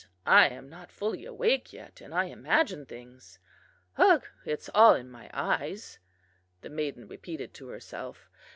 I am not fully awake yet, and I imagine things. Ugh, it is all in my eyes,' the maiden repeated to herself.